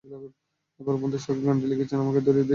এবার বন্ধু সাগর গানটি লিখে আমাকে ধরিয়ে দিয়েছে ভিডিও করার জন্য।